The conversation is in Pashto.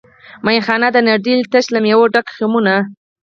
میخانه ده نړېدلې تش له میو ډک خُمونه